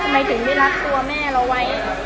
ทำไมถึงได้รักตัวแม่เราไว้